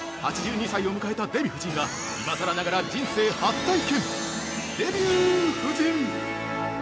８２歳を迎えたデヴィ夫人が今さらながら人生初体験「デビュー夫人」。